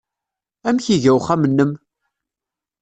Amek iga uxxam-nnem?